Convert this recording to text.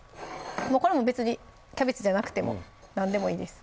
これも別にキャベツじゃなくても何でもいいです